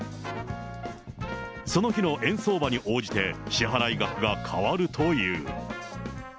その日の円相場に応じて支払い額が変わるという。